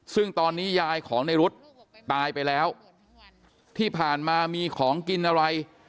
ซึ่งตอนนี้ยายของในรุ๊ดตายไปแล้วที่ผ่านมามีของกินอะไร